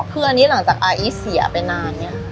คืออันนี้หลังจากอาอีทเสียไปนานเนี่ย